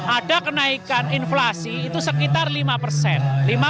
ada kenaikan inflasi itu sekitar lima persen